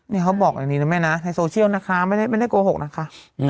นี่เขาบอกแบบนี้นะแม่นะในโซเชียลนะคะไม่ได้โกหกนะคะ